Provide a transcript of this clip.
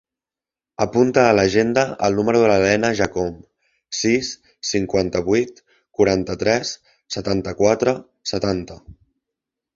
Apunta a l'agenda el número de la Lena Jacome: sis, cinquanta-vuit, quaranta-tres, setanta-quatre, setanta.